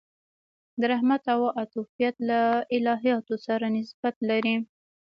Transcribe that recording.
د رحمت او عطوفت له الهیاتو سره نسبت لري.